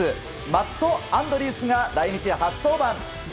マット・アンドリースが来日初登板。